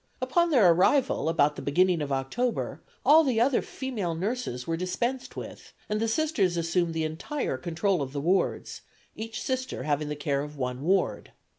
Upon their arrival, about the beginning of October, all the other female nurses were dispensed with, and the Sisters assumed the entire control of the wards, each Sister having the care of one ward.